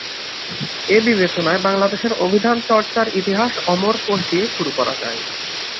এ বিবেচনায় বাংলাদেশের অভিধান চর্চার ইতিহাস অমরকোষ দিয়ে শুরু করা যায়।